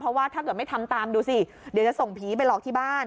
เพราะว่าถ้าเกิดไม่ทำตามดูสิเดี๋ยวจะส่งผีไปหลอกที่บ้าน